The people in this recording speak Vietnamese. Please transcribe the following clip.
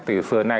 từ xưa nay